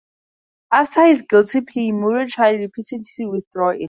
After his guilty plea, Moore tried repeatedly to withdraw it.